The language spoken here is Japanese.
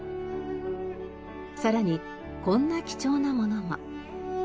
さらにこんな貴重なものも。